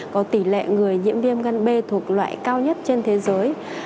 có tỷ lệ người nhiễm viêm gan b thuộc loại cao nhất trên thế giới